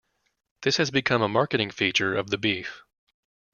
This has become a marketing feature of the beef.